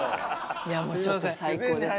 いやもうちょっと最高です。